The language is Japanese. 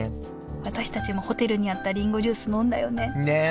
私たちもホテルにあったりんごジュース飲んだよねねえ。